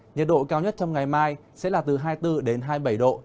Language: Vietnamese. nhiệt độ cao nhất trong ngày mai sẽ là từ hai mươi bốn đến hai mươi bảy độ